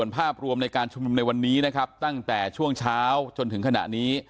ภาพรวมในการชุมนุมในวันนี้นะครับตั้งแต่ช่วงเช้าจนถึงขณะนี้